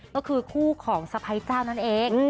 ก็คือคู่ของสะพ้ายเจ้านั่นเอง